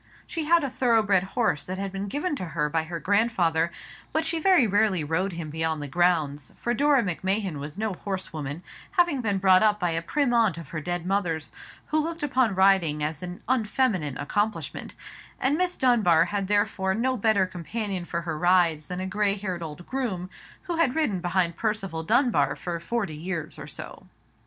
She had a thorough bred horse that had been given to her by her grandfather, but she very rarely rode him beyond the grounds, for Dora Macmahon was no horsewoman, having been brought up by a prim aunt of her dead mother's, who looked upon riding as an unfeminine accomplishment; and Miss Dunbar had therefore no better companion for her rides than a grey haired old groom, who had ridden behind Percival Dunbar for forty years or so.